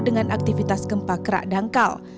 dengan aktivitas gempa kerak dangkal